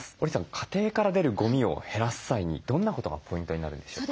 家庭から出るゴミを減らす際にどんなことがポイントになるんでしょうか？